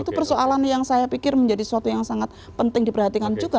itu persoalan yang saya pikir menjadi suatu yang sangat penting diperhatikan juga